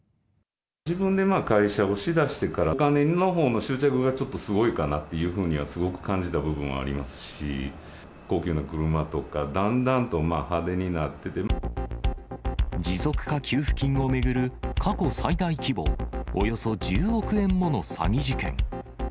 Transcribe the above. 自分で会社をしだしてから、お金のほうの執着のほうがちょっとすごいかなというふうにはすごく感じた部分はありますし、高級な車とか、だんだんと派手に持続化給付金を巡る過去最大規模、およそ１０億円もの詐欺事件。